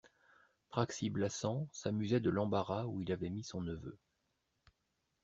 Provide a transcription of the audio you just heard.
Praxi-Blassans s'amusait de l'embarras où il avait mis son neveu.